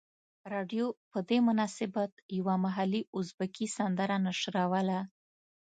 رادیو په دې مناسبت یوه محلي ازبکي سندره نشروله.